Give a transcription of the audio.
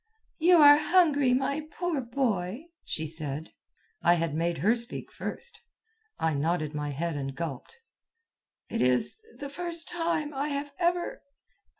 "You are hungry, my poor boy," she said. I had made her speak first. I nodded my head and gulped. "It is the first time I have ever